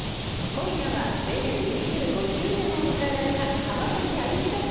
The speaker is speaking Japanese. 今夜はデビュー２５周年を迎えられた浜崎あゆみさん